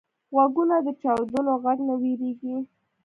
غوږونه د چاودنو غږ نه وېریږي